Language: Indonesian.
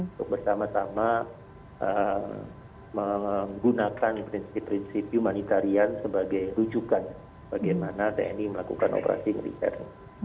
untuk bersama sama menggunakan prinsip prinsip humanitarian sebagai rujukan bagaimana tni melakukan operasi militer